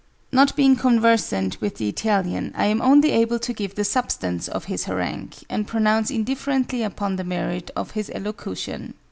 Not being conversant with the Italian, I am only able to give the substance of his harangue, and pronounce indifferently upon the merit of his elocution.